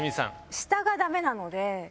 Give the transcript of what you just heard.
下がダメなので。